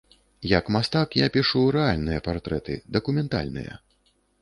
Як мастак, я пішу рэальныя партрэты, дакументальныя.